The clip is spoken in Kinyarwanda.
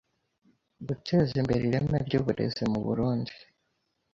guteze imbere ireme ry’uburezi mu Burunndi